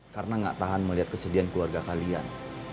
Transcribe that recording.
karena gak tahan melihat kesedihan keluarga kalian